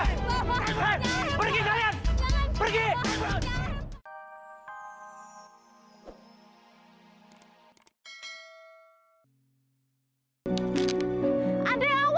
sekarang aku tanya sama kamu